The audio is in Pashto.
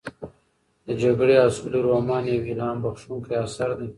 د جګړې او سولې رومان یو الهام بښونکی اثر دی.